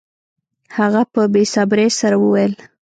هغه په بې صبرۍ سره وویل